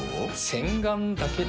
洗顔だけで？